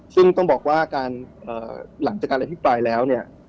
ซึ่งต้องบอกว่าการหลังจากการอภิปรายแล้วเนี่ย